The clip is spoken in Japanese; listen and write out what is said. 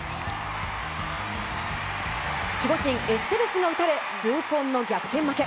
守護神エステベスが打たれ痛恨の逆転負け。